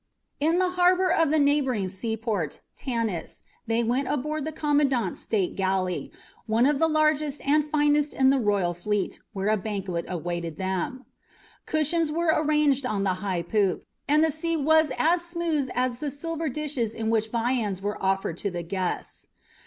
In the harbour of the neighbouring seaport Tanis they went aboard of the commandant's state galley, one of the largest and finest in the royal fleet, where a banquet awaited them. Cushions were arranged on the high poop, and the sea was as smooth as the silver dishes in which viands were offered to the guests.